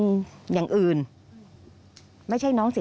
อยู่ดีมาตายแบบเปลือยคาห้องน้ำได้ยังไง